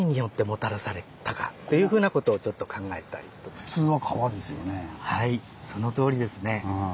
でそのはいそのとおりですね。